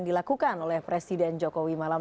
dilakukan oleh presiden jokowi malam